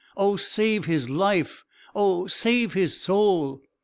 Oh save his life! Oh save his soul!'